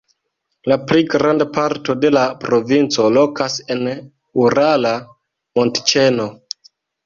La plej granda parto de la provinco lokas en Urala montĉeno.